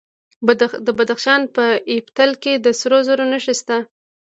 د بدخشان په یفتل کې د سرو زرو نښې شته.